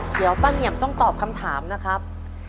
เดี๋ยวป้าเงี่ยมต้องตอบคำถามนะครับ